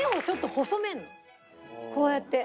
こうやって。